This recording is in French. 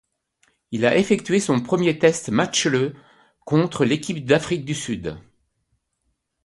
Il a effectué son premier test match le contre l'équipe d'Afrique du Sud.